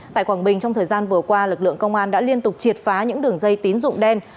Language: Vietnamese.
tại quảng bình trong thời gian vừa qua lực lượng công an đã liên tục triệt phá những đường dây tín dụng đen